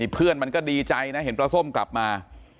เพื่อนมันก็ดีใจนะเห็นปลาส้มกลับมา